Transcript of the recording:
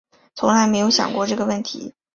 从来没有想过这个问题